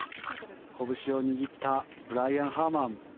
こぶしを握ったブライアン・ハーマン。